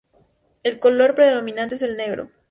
El color predominante es el negro.